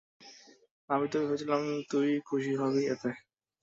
আমি তো ভেবেছিলাম তুই খুশিই হবি এতে!